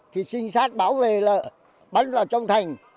thì trinh sát bảo vệ là bắn vào trong thành